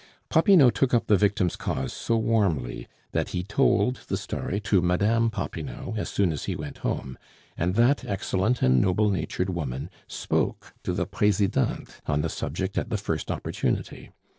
Popinot took up the victim's cause so warmly that he told the story to Mme. Popinot as soon as he went home, and that excellent and noble natured woman spoke to the Presidente on the subject at the first opportunity.